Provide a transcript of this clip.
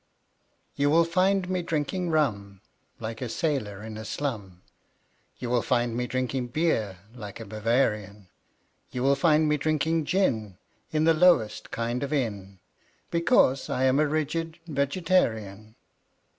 You will find me drinking rum, Like a sailor in a slum, You will find me drinking beer like a Bavarian. You will find me drinking gin In the lowest kind of inn, Because I am a rigid Vegetarian.